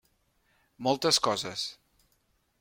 Moltes coses.